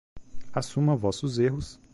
Assuma vossos erros